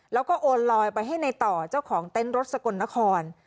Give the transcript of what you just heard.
แล้วก็โอนลอยไปให้ในต่อเจ้าของเต็นต์รถสกลนคร